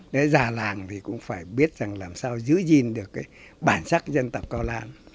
để già làng thì cũng phải biết rằng làm sao giữ gìn được bản sắc dân tộc cao lan